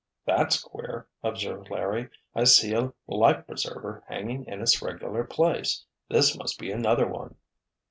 "That's queer," observed Larry. "I see a life preserver hanging in its regular place. This must be another one!"